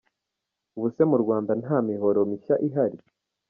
Ubu se mu Rwanda nta mihoro mishya ihari?